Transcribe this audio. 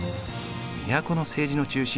都の政治の中心